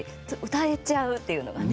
歌えちゃうっていうのがね。